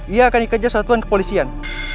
ia akan dikejar satuan kepolisian